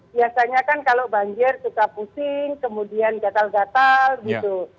biasanya kan kalau banjir suka pusing kemudian gatal gatal gitu